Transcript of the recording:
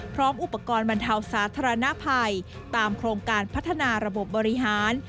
พร้อมอุปกรณ์บรรเทาสาธารณภัยตามโครงการพัฒนาระบบบบริหาร